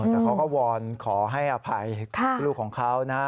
แต่เขาก็วอนขอให้อภัยลูกของเขานะ